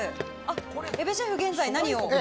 江部シェフ、現在何を？